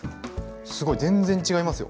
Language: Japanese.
すごい全然違いますよ。